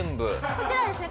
こちらはですね